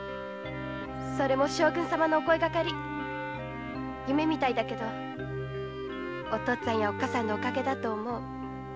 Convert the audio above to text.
それも将軍様のお声がかり夢みたいだけどお父っつぁんやおっ母さんのお陰だと思う。